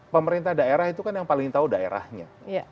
pemerintah daerah itu kan yang paling tahu daerahnya